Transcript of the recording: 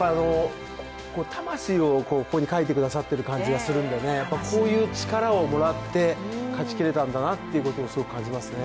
魂をここに書いてくださっている感じがするので、こういう力をもらって勝ちきれたんだなっていうことをすごく感じますね。